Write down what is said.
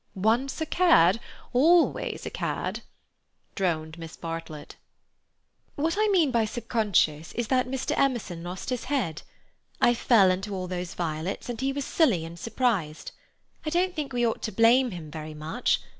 "Once a cad, always a cad," droned Miss Bartlett. "What I mean by subconscious is that Emerson lost his head. I fell into all those violets, and he was silly and surprised. I don't think we ought to blame him very much.